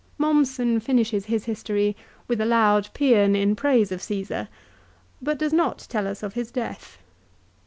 Mommsen finishes his history with a loud paean in praise of Caesar, but does not tell us of his death.